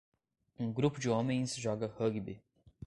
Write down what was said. Um grupo de homens joga rugby.